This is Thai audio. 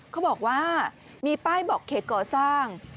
เขาบอกว่ามีป้ายบอกเขตก่อสร้าง